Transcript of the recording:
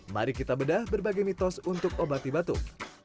mari kita bedah berbagai mitos untuk obat ibatan